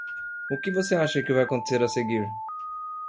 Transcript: O que você acha que vai acontecer a seguir?